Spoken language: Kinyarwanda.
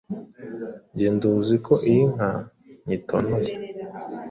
Njye nduzi ko iyi nka nyitonoye,